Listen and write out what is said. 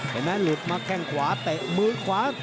เห็นมั้ยหลุดมาแข่งขวาเมือขวา